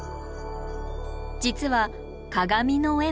実は鏡の絵馬